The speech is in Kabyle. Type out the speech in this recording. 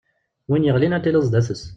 Win yeɣlin ad tiliḍ sdat-s.